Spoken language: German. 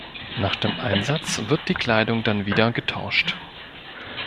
Nach dem Einsatz wird die Kleidung dann wieder getauscht.